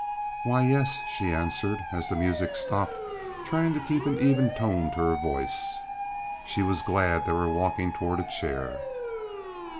"Why, yes," she answered, as the music stopped, trying to keep an even tone to her voice. She was glad they were walking toward a chair.